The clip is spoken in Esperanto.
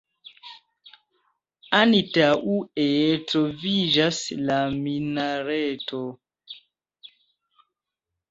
Antaŭe troviĝas la minareto.